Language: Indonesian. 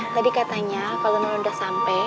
tadi katanya kalau non udah sampe